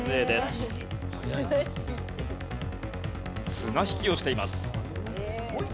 綱引きをしています。